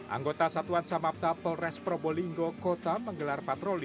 anggota satuan samapta polres probolinggo kota menggelar patroli